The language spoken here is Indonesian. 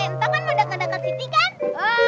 entang kan udah kedekat sini kan